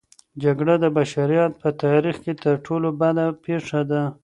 جګړه د بشریت په تاریخ کې تر ټولو بده پېښه ده.